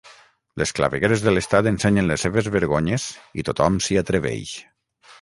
Les clavegueres de l’estat ensenyen les seves vergonyes i tothom s’hi atreveix.